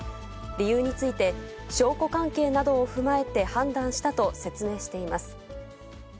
理由について、証拠関係などを踏まえて判断したと説明しています。